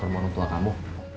ke rumah orang tua kamu